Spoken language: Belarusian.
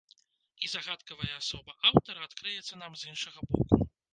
І загадкавая асоба аўтара адкрыецца нам з іншага боку.